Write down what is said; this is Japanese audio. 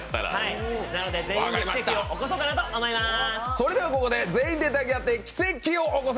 なので全員で奇跡を起こそうかなと思います！